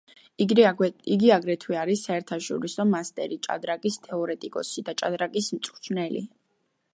იგი აგრეთვე არის საერთაშორისო მასტერი, ჭადრაკის თეორეტიკოსი და ჭადრაკის მწვრთნელი.